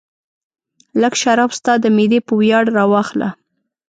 لږ شراب ستا د معدې په ویاړ راواخله.